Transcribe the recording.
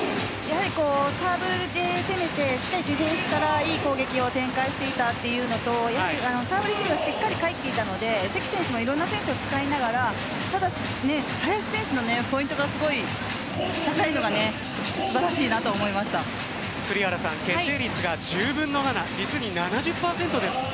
サーブで攻めてしっかりディフェンスからいい攻撃を展開していたというのとサーブレシーブがしっかり返っていたので関選手もいろんな選手を使いながら林選手のポイントがすごい高いのが栗原さん決定率が１０分の７実に７０％です。